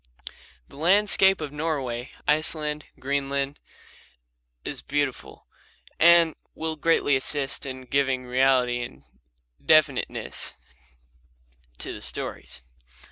The landscape of Norway, Iceland, and Greenland is wonderful and will greatly assist in giving reality and definiteness to the stories.